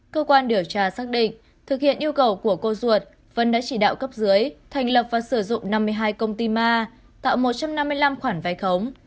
cơ quan điều tra xác định thực hiện yêu cầu của cô ruột vân đã chỉ đạo cấp dưới thành lập và sử dụng năm mươi hai công ty ma tạo một trăm năm mươi năm khoản vay khống